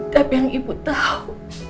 tapi yang ibu tau